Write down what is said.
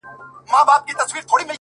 ځوان ژاړي سلگۍ وهي خبري کوي”